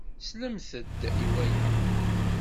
Slemt-d i waya!